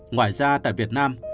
ngoài ra tại việt nam